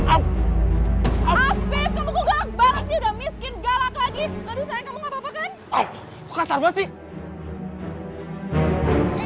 afif kamu kagak banget sih udah berdua ini